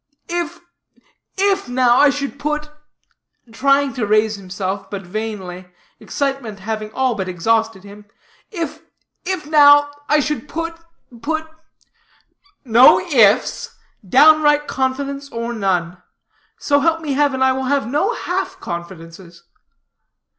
"If if, now, I should put" trying to raise himself, but vainly, excitement having all but exhausted him "if, if now, I should put, put " "No ifs. Downright confidence, or none. So help me heaven, I will have no half confidences."